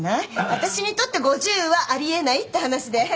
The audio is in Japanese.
私にとって５０はあり得ないって話で。